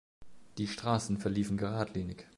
Die Straßen verliefen geradlinig.